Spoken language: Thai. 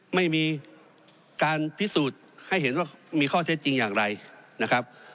ไม่มีการพิสูจน์ให้เห็นว่ามีข้อเท็จจริงอย่างไรนะครับ